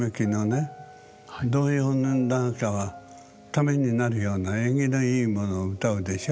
童謡なんかはためになるような縁起のいいものを歌うでしょ？